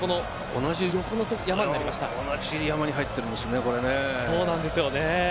同じヤマに入っているんですね。